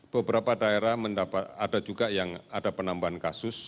beberapa daerah ada juga yang ada penambahan kasus